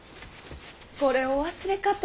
これをお忘れかと。